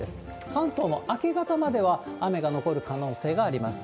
関東も明け方までは雨が残る可能性があります。